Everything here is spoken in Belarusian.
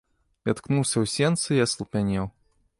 Я ткнуўся ў сенцы і аслупянеў.